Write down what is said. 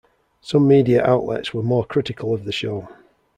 Some media outlets were more critical of the show.